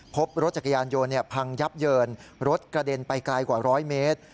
พบรถจักรยานยนต์พังยับเยินรถกระเด็นไปไกลกว่า๑๐๐เมตร